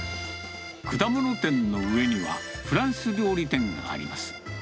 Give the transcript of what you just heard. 果物店の上には、フランス料理店があります。